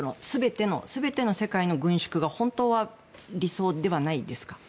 全ての世界の軍縮が本当は理想ではないですか？